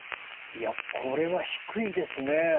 いやこれは低いですね。